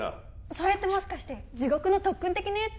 それってもしかして地獄の特訓的なやつ？